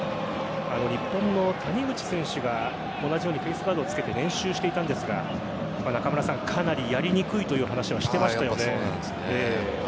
日本の谷口選手が同じようにフェースガードをつけて練習していたんですがかなりやりにくいという話をしていましたよね。